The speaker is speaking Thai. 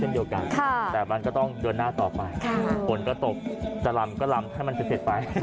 เดี๋ยวผมส่งคุณดาวคุณอุ๋ยไปเต้นด้วย